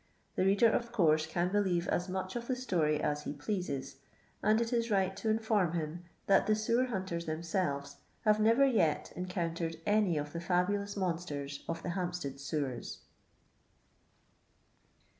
The reader of oourse c^ believe as much of the story as he E leases, and it is ^ght to inform him that the sewer unters thems^yes have never yet e|vcouutered any of the fabulous monsters of the Ilampstead sewers.